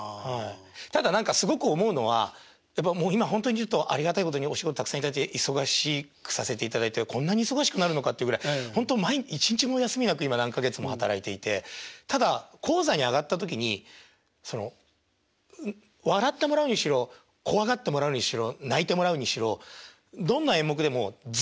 ただ何かすごく思うのはやっぱ本当に言うとありがたいことにお仕事たくさん頂いて忙しくさせていただいてこんな忙しくなるのかっていうぐらい本当一日も休みなく何か月も働いていてただ高座に上がった時にその笑ってもらうにしろ怖がってもらうにしろ泣いてもらうにしろどんな演目でも絶対に手は抜かない。